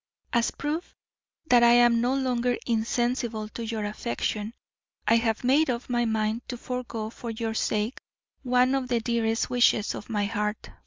"As proof that I am no longer insensible to your affection, I have made up my mind to forego for your sake one of the dearest wishes of my heart.